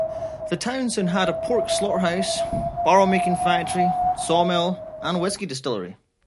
The town soon had a pork slaughterhouse, barrel making factory, sawmill, and whiskey distillery.